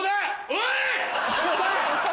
おい‼